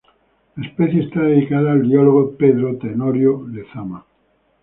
La especie está dedicada al biólogo Pedro Tenorio Lezama.